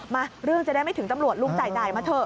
มาเรื่องจะได้ไม่ถึงตำรวจลุงจ่ายมาเถ